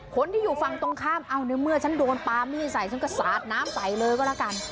คนที่อยู่ฝั่งตรงข้ามเอาในเมื่อฉันโดนปลามีดใส่ฉันก็สาดน้ำใส่เลยก็แล้วกัน